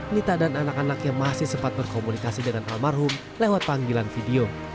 nita dan anak anaknya masih sempat berkomunikasi dengan almarhum lewat panggilan video